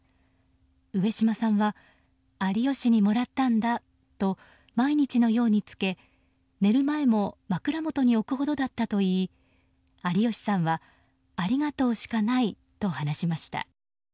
上島さんは有吉にもらったんだと毎日のように着け寝る前も枕元に置くほどだったといい有吉さんはありがとうしかないと話しました。